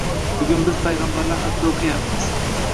Bugun biz payg‘ambarlar haqida o‘qiyapmiz